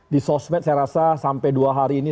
di sosmed saya rasa sampai dua hari ini